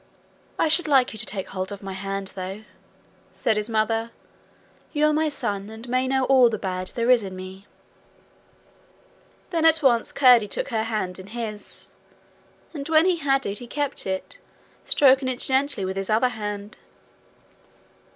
'I should like you just to take hold of my hand though,' said his mother. 'You are my son, and may know all the bad there is in me.' Then at once Curdie took her hand in his. And when he had it, he kept it, stroking it gently with his other hand.